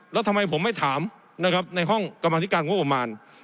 แล้วทำไมผมไม่ถามนะครับในห้องกรรมธิการงบประมาณ